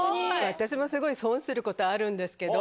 私もすごい損することあるんですけど。